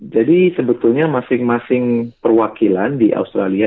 jadi sebetulnya masing masing perwakilan di australia